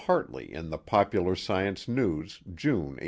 Hartley in the Popular Science News, June, 1896.